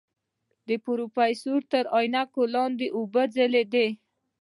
د پروفيسر تر عينکو لاندې اوبه وځلېدې.